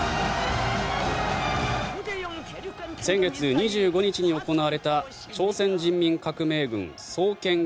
先月２５日に行われた朝鮮人民革命軍創建